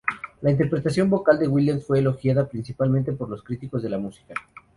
La interpretación vocal de Williams fue elogiada principalmente por los críticos de música.